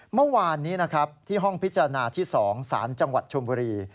เมื่อวานนี้นะครับที่ห้องพิจารณาที่๒สารจังหวัดชมบุรี